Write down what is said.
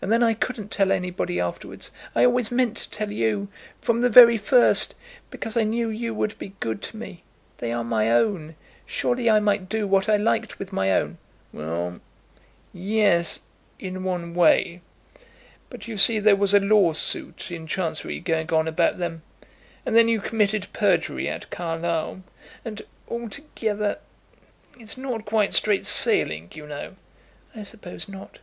"And then I couldn't tell anybody afterwards. I always meant to tell you, from the very first; because I knew you would be good to me. They are my own. Surely I might do what I liked with my own?" "Well, yes; in one way. But you see there was a lawsuit in Chancery going on about them; and then you committed perjury at Carlisle. And altogether, it's not quite straight sailing, you know." "I suppose not."